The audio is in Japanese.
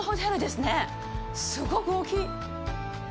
すごく大きい！